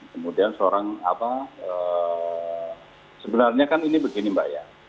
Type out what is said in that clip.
kemudian seorang apa sebenarnya kan ini begini mbak ya